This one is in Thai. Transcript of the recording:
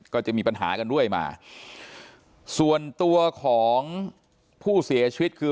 ก็จะมีปัญหากันเรื่อยมาส่วนตัวของผู้เสียชีวิตคือ